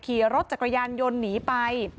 ขี่รถจักรยานยนต์หนีไป